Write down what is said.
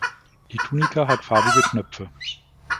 Die Tunika hat farbige Knöpfe.